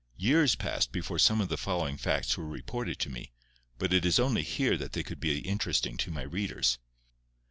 Years passed before some of the following facts were reported to me, but it is only here that they could be interesting to my readers.